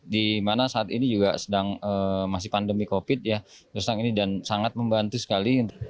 di mana saat ini juga masih pandemi covid sembilan belas dan sangat membantu sekali